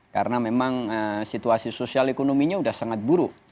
karena memang situasi sosial ekonominya udah sangat buruk